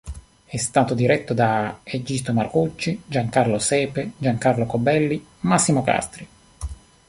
È stato diretto da Egisto Marcucci, Giancarlo Sepe, Giancarlo Cobelli, Massimo Castri.